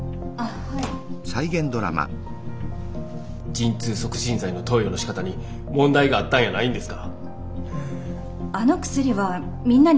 陣痛促進剤の投与のしかたに問題があったんやないんですか？